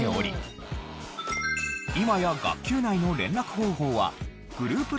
今や学級内の連絡方法はグループ